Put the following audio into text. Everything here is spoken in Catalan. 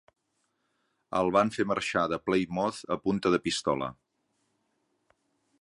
El van fer marxar per Plymouth a punta de pistola.